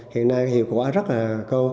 hiện nay hiệu quả rất là câu